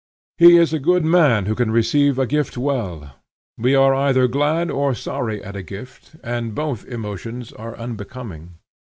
He is a good man who can receive a gift well. We are either glad or sorry at a gift, and both emotions are unbecoming.